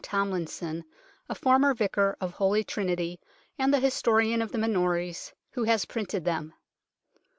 Tomlinson, a former vicar of Holy Trinity and the historian of the Minories, who has printed them.